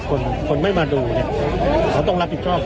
คนคนไม่มาดูเนี่ยเขาต้องรับผิดชอบ